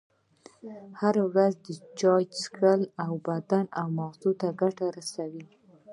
هره ورځ چایی چیښل و بدن او دماغ ته ګټه رسوي.